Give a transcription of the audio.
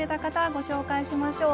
ご紹介しましょう。